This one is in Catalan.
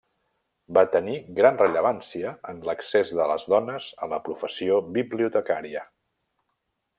Va tenir gran rellevància en l'accés de les dones a la professió bibliotecària.